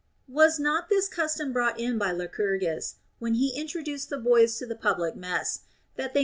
Was not this custom brought in by Lycurgus, when he introduced the boys to the public mess, that they * See Livy, I.